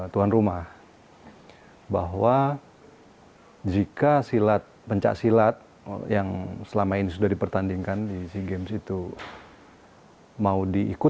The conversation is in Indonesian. tuan rumah bahwa jika silat penca silat yang selama ini sudah dipertandingkan di si games itu